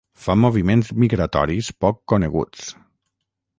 Fa moviments migratoris poc coneguts.